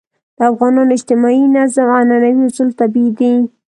د افغانانو اجتماعي نظم عنعنوي اصول طبیعي دي.